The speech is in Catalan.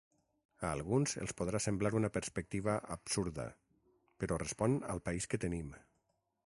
A alguns els podrà semblar una perspectiva absurda, però respon al país que tenim.